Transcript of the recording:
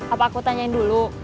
apa aku tanyain dulu